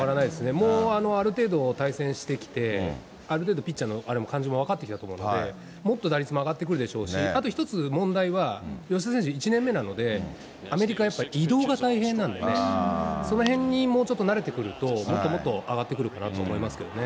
もう、ある程度対戦してきて、ある程度、ピッチャーの感じも分かってきたと思うので、もっと打率も上がってくるでしょうし、あと１つ、問題は吉田選手、１年目なので、アメリカはやっぱり移動が大変なので、そのへんにもうちょっと慣れてくると、もっともっと上がってくるかなと思いますけどね。